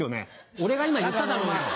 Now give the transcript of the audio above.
俺が今言っただろうよ！